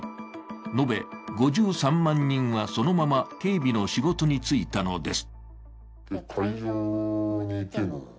延べ５３万人はそのまま警備の仕事に就いたのです。